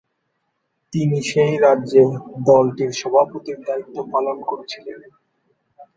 তিনি সেই রাজ্যে দলটির সভাপতির দায়িত্ব পালন করেছিলেন।